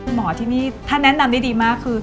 หมอที่นี่ท่านแนะนำดีมากคือ